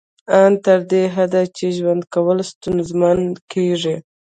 ان تر دې حده چې ژوند کول ستونزمن کیږي